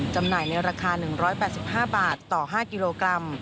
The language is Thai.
จำหน่ายในราคา๑๘๕บาทต่อ๕กิโลกรัม